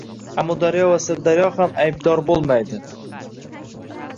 Amudaryo bilan Sirdaryo ham aybdor bo‘lmaydi.